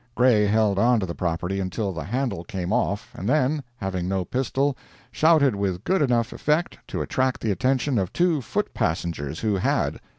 Gray held on to the property until the handle came off, and then, having no pistol, shouted with good enough effect to attract the attention of two foot passengers who had.